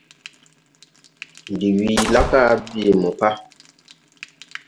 Ndi wii laa ga bii mo pa.